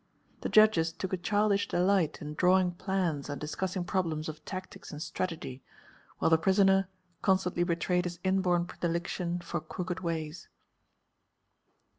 The judges took a childish delight in drawing plans and discussing problems of tactics and strategy, while the prisoner constantly betrayed his inborn predilection for crooked ways.